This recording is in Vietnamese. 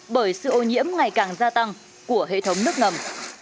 bởi sự ô nhiễm ngày càng gia tăng của hệ thống nước ngầm